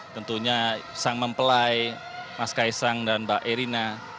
tentunya sang mempelai mas kaisang dan mbak erina